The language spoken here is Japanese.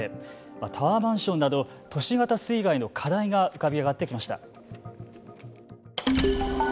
タワーマンションなど都市型水害の課題が浮かび上がってきました。